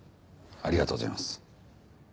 ありがとうございます。